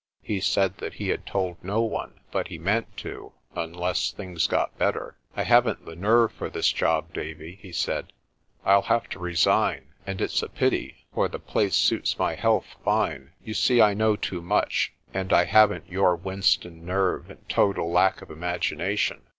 He said that he had told no one, but he meant to, unless things got better. "I haven't the nerve for this job, Davie," he said; "I'll have to resign. And it's a pity, for the place suits my health fine. You see I know too much, and I haven't your whinstone nerve and total lack of imagination."